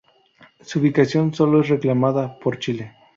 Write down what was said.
Su ubicación solo es reclamada por Chile.